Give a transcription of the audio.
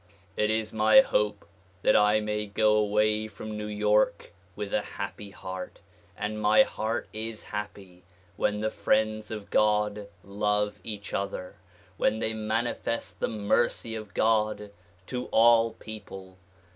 It is my hope that I may go away from New York with a happy heart ; and my heart is happy when the friends of God love each other; when they manifest the mercy of God to all people.